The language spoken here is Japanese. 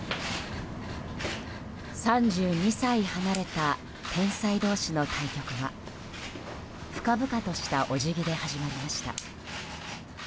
３２歳離れた天才同士の対局は深々としたお辞儀で始まりました。